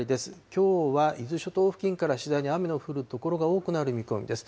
きょうは伊豆諸島付近から次第に雨の降る所が多くなる見込みです。